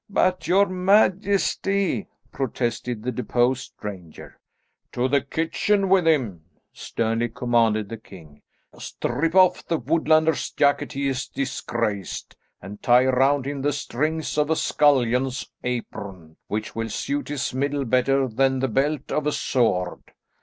"But, your majesty " protested the deposed ranger. "To the kitchen with him!" sternly commanded the king. "Strip off the woodlander's jacket he has disgraced and tie round him the strings of a scullion's apron, which will suit his middle better than the belt of a sword."